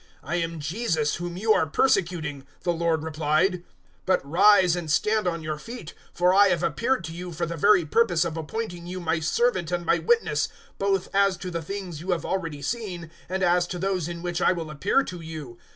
"`I am Jesus whom you are persecuting,' the Lord replied. 026:016 `But rise, and stand on your feet; for I have appeared to you for the very purpose of appointing you My servant and My witness both as to the things you have already seen and as to those in which I will appear to you.